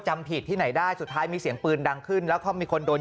จำผิดที่ไหนได้สุดท้ายมีเสียงปืนดังขึ้นแล้วก็มีคนโดน